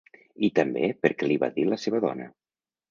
I també perquè l'hi va dir la seva dona.